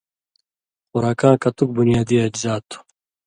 خوراکاں کتُوک بنیادی اجزا تھو